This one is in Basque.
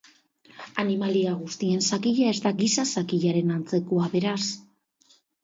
Animalia guztien zakila ez da giza zakilaren antzekoa, beraz.